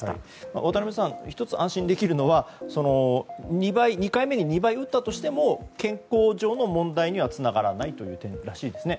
渡辺さん１つ安心できるのは２回目に２倍打ったとしても健康上の問題にはつながらないという点らしいですね。